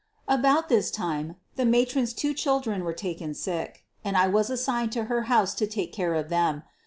About this time the matron's two children were ; taken sick and I was assigned to her house to take care of them.